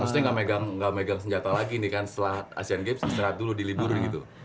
maksudnya nggak megang senjata lagi nih kan setelah asean games istirahat dulu di libur gitu